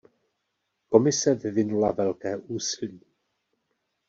Komise vyvinula velké úsilí.